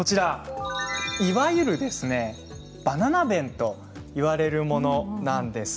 いわゆるバナナ便といわれるものです。